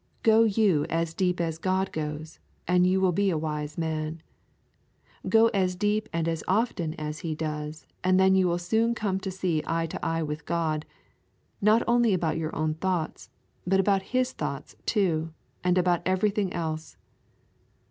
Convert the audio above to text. Go you as deep as God goes, and you will be a wise man; go as deep and as often as He does, and then you will soon come to see eye to eye with God, not only about your own thoughts, but about His thoughts too, and about everything else.